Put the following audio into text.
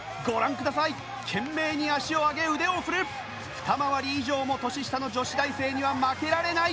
ふた回り以上も年下の女子大生には負けられない！